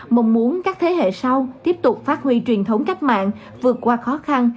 mong muốn các thế hệ sau tiếp tục phát huy truyền thống cách mạng vượt qua khó khăn